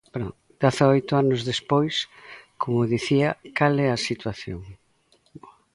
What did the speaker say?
Dezaoito anos despois, como dicía, ¿cal é a situación?